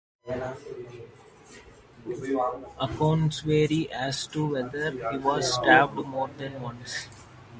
Accounts vary as to whether he was stabbed more than once.